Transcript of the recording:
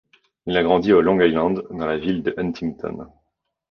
Il a grandi au Long Island, dans la ville de Huntington.